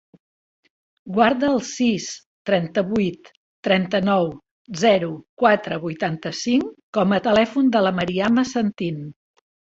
Guarda el sis, trenta-vuit, trenta-nou, zero, quatre, vuitanta-cinc com a telèfon de la Mariama Santin.